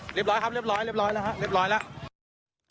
เรียบร้อยครับเรียบร้อยเรียบร้อยแล้วครับเรียบร้อยแล้ว